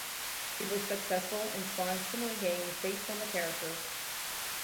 It was successful and spawned similar games based on the characters.